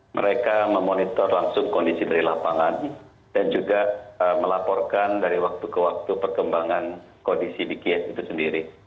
mereka memonitor langsung kondisi dari lapangan dan juga melaporkan dari waktu ke waktu perkembangan kondisi di kiev itu sendiri